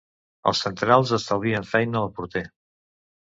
Els centrals estalvien feina al porter.